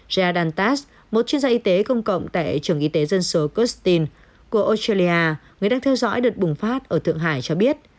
jadantas một chuyên gia y tế công cộng tại trường y tế dân số kurstin của australia người đang theo dõi đợt bùng phát ở thượng hải cho biết